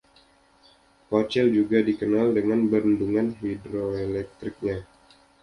Kochel juga dikenal dengan bendungan hidroelektriknya.